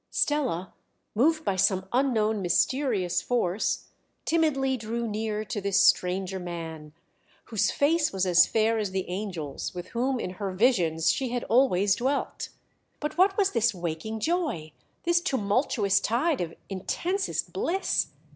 Stella, moved by some unknown, mysterious force, timidly drew near to this stranger man, whose face was as fair as the angels with whom in her visions she had always dwelt. But what was this waking joy this tumultuous tide of intensest bliss?